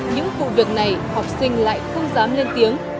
những vụ việc này học sinh lại không dám lên tiếng